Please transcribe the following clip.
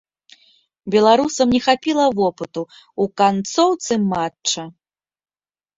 Беларусам не хапіла вопыту ў канцоўцы матча.